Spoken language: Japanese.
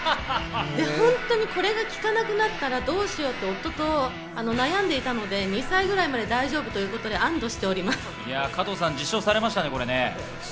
本当にこれが効かなくなったらどうしようと夫と悩んでいたので、２歳ぐらいまで大丈夫だということで安堵しています。